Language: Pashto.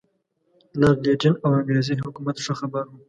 لارډ لیټن او انګریزي حکومت ښه خبر وو.